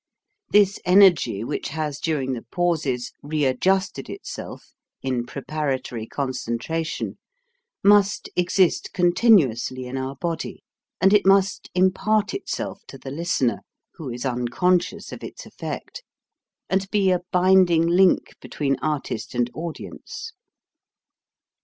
This energy which has during the pauses readjusted itself in preparatory concentration, must exist continuously in our body, and it must impart itself to the listener (who is uncon scious of its effect) and be a binding link between artist and audience.